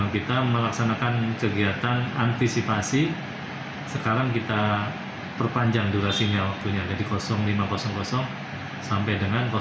kita melaksanakan kegiatan antisipasi sekarang kita perpanjang durasinya jadi lima ratus sampai dengan tujuh ratus tiga puluh